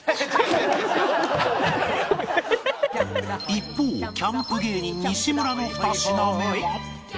一方キャンプ芸人西村の２品目は